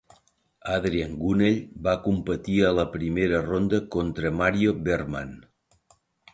Adrian Gunnell va competir a la primera ronda contra Mario Wehrmann.